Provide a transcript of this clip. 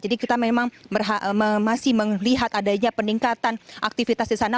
jadi kita memang masih melihat adanya peningkatan aktivitas di sana